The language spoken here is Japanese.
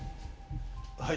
はい。